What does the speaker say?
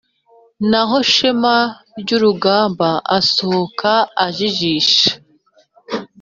naho shema ryurugamba asohoka ajijisha